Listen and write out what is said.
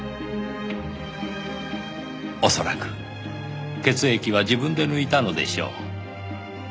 恐らく血液は自分で抜いたのでしょう。